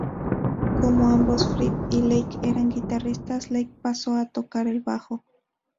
Como ambos Fripp y Lake eran guitarristas, Lake pasó a tocar el bajo.